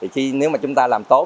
thì nếu mà chúng ta làm tốt